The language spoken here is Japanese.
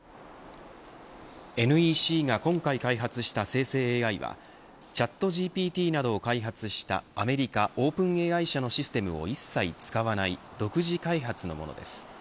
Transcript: ＮＥＣが今回開発した生成ＡＩはチャットＧＰＴなどを開発したアメリカオープンＡＩ社のシステムを一切使わない独自開発のものです。